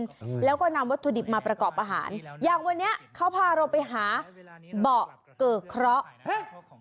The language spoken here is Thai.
อืมแล้วก็นำวัตถุดิบมาประกอบอาหารอย่างวันนี้เขาพาเราไปหาเบาะเกอเคราะห์ฮะ